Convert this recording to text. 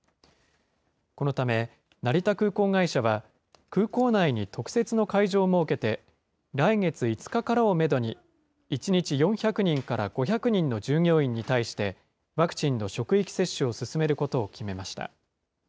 このため成田空港会社は空港内に特設の会場を設けて、来月５日からをメドに、１日４００人から５００人の従業員に対して、ワクチンの職域接種を進めることを決めました。